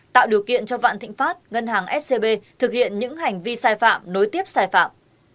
tạo điều kiện cho vạn thịnh pháp ngân hàng scb thực hiện những hành vi sai phạm nối tiếp sai phạm